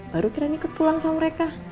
baru kiranya ikut pulang sama mereka